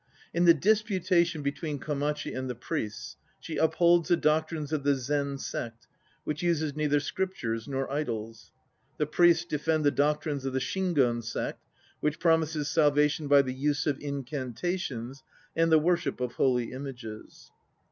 In the disputation between Komachi and the priests, she upholds the ines of the Zen Sect, which uses neither scriptures nor idols; the priests defend the doctrines of the Shingon Sect, which promises sal vation by the use of incantations and the worship of holy images.